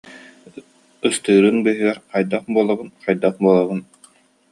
Ыстыырын быыһыгар хайдах буолабын, хайдах буолабын